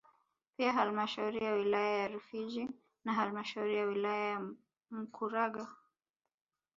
Pia halmashauri ya wilaya ya Rufiji na halmashauri ya wilaya ya Mkuranga